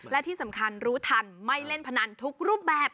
และที่สำคัญรู้ทันไม่เล่นพนันทุกรูปแบบ